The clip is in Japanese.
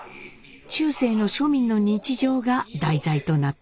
中世の庶民の日常が題材となっています。